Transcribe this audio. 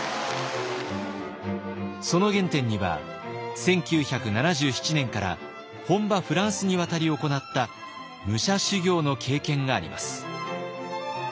その原点には１９７７年から本場フランスに渡り行った武者修行の経験があります。